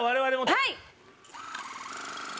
はい。